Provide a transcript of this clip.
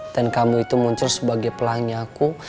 dan kamu itu muncul sebagai pelangi aku